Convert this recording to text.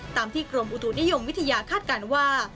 ตามที่กรมอุตุนิยมวิทยาคาดการณ์ว่า